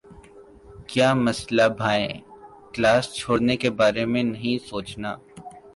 کیا مسلہ بھائی؟ کلاس چھوڑنے کے بارے میں نہیں سوچنا۔